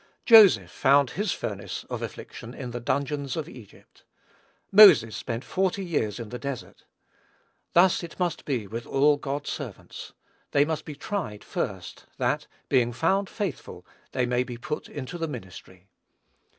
Joseph found his furnace of affliction in the dungeons of Egypt. Moses spent forty years in the desert. Thus it must be with all God's servants. They must be "tried" first, that, being found "faithful," they may be "put into the ministry."